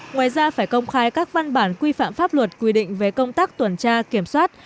ngoài ra phải công khai các văn bản quy phạm pháp luật quy định về công tác tuần tra kiểm soát